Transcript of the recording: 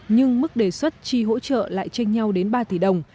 nhưng mức đề xuất chi hỗ trợ lại tranh nhau đến ba tỷ đồng